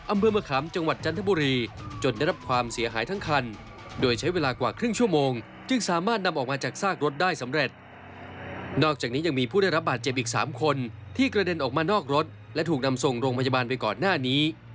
อำเมอร์มะขามจังหวัดจันทบุรี